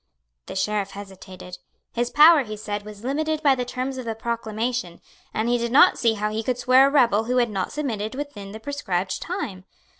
The Sheriff hesitated. His power, he said, was limited by the terms of the proclamation, and he did not see how he could swear a rebel who had not submitted within the prescribed time.